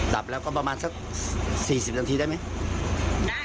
ดับแล้วก็ประมาณสัก๔๐นาทีได้ไหม